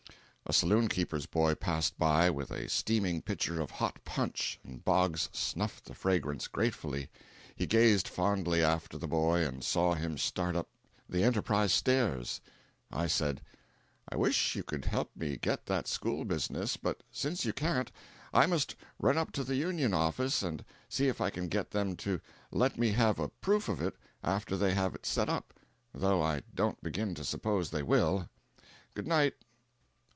A saloon keeper's boy passed by with a steaming pitcher of hot punch, and Boggs snuffed the fragrance gratefully. He gazed fondly after the boy and saw him start up the Enterprise stairs. I said: "I wish you could help me get that school business, but since you can't, I must run up to the Union office and see if I can get them to let me have a proof of it after they have set it up, though I don't begin to suppose they will. Good night."